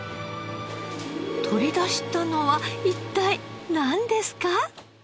取り出したのは一体なんですか？